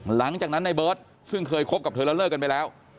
หลังจากนั้นในเบิร์ตซึ่งเคยคบกับเธอแล้วเลิกกันไปแล้ว